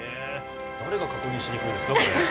誰が確認しに行くんですか、これ？